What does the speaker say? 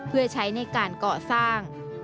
เพื่อใช้ในการก่อสร้าง